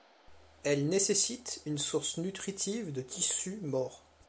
Elle nécessite une source nutritive de tissus morts.